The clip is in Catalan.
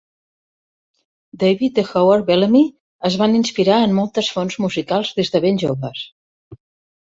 David i Howard Bellamy es van inspirar en moltes fonts musicals des de ben joves.